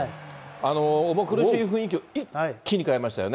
重苦しい雰囲気一気に変えましたよね。